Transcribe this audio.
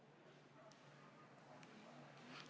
ท่านนายกคือทำร้ายระบอบประชาธิปไตยที่มีพระมหาคศัตริย์